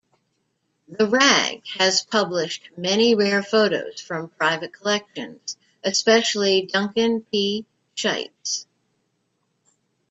"The Rag" has published many rare photos from private collections, especially Duncan P. Schiedt's.